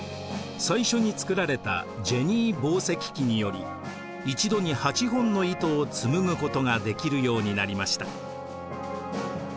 最初に作られたジェニー紡績機により一度に８本の糸を紡ぐことができるようになりました。